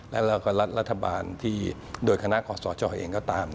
และรัฐบาลที่โดยคณะขอสอจ่อเองก็ตาม